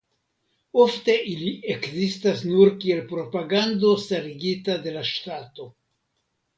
Ofte ili ekzistas nur kiel propagando starigita de la ŝtato.